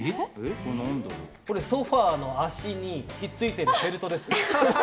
ソファの脚にひっ付いているフェルトです。